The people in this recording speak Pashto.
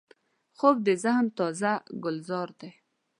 خوب د ذهن تازه ګلزار دی